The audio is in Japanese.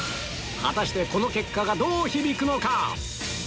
果たしてこの結果がどう響くのか？